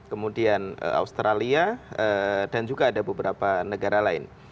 kemudian australia dan juga ada beberapa negara lain